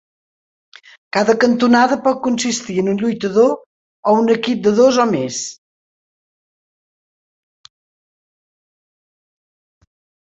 Cada cantonada pot consistir en un lluitador, o un equip de dos o més.